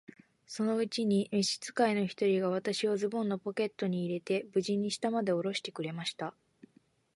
そのうちに召使の一人が、私をズボンのポケットに入れて、無事に下までおろしてくれました。